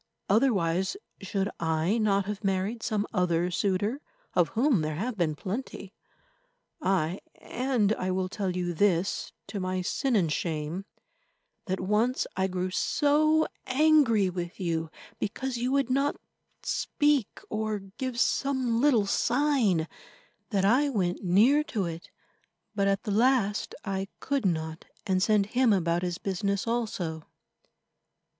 Otherwise, should I not have married some other suitor, of whom there have been plenty? Aye, and I will tell you this to my sin and shame, that once I grew so angry with you because you would not speak or give some little sign, that I went near to it. But at the last I could not, and sent him about his business also.